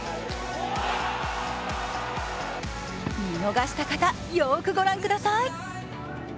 見逃した方、よーく御覧ください。